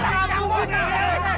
pakar radar kita